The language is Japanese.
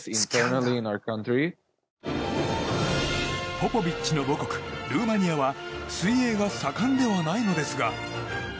ポポビッチの母国ルーマニアは水泳が盛んではないのですが。